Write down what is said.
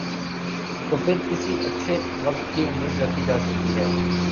، تو پھر کس اچھے وقت کی امید رکھی جا سکتی ہے ۔